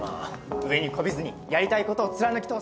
上にこびずにやりたい事を貫き通す。